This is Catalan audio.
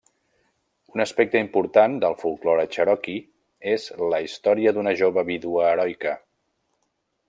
Un aspecte important del folklore cherokee és la història d'una jove vídua heroica.